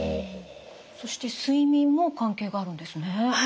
そして睡眠も関係があるんですね。